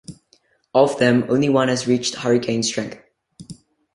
Of them, only one has reached hurricane strength.